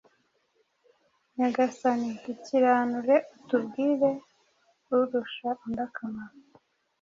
Nyagasani dukiranure, utubwire urusha undi akamaro.”